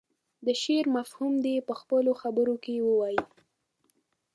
د شعر مفهوم دې په خپلو خبرو کې ووايي.